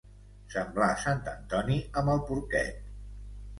Semblar sant Antoni amb el porquet.